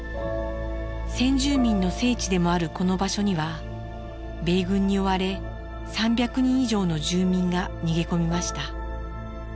先住民の聖地でもあるこの場所には米軍に追われ３００人以上の住民が逃げ込みました。